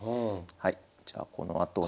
はいじゃあこのあと。